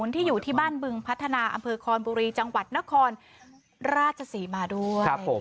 ที่อยู่ที่บ้านบึงพัฒนาอำเภอคอนบุรีจังหวัดนครราชศรีมาด้วย